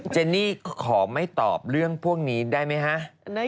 เจนี่ขอไม่ตอบเรื่องพวกนี้ได้ไหมฮะ